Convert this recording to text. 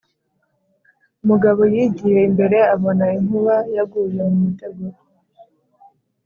Umugabo Yigiye imbere abona inkuba yaguye mu mutego